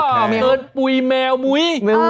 เชิญปุ๋ยแมวมุ้ย